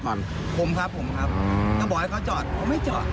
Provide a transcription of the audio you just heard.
ก็บอกให้เขาจอดเขาไม่จอด